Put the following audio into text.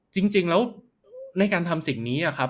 จริงแล้วในการทำสิ่งนี้ครับ